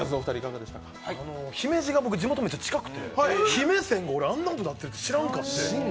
姫路が僕、地元めっちゃ近くて、姫センがあんなことなってるって知らんかって。